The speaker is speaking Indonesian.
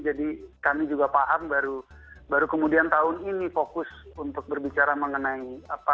jadi kami juga paham baru kemudian tahun ini fokus untuk berbicara mengenai